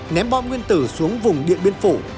ném bom nguyên tử xuống vùng địa biệt phủ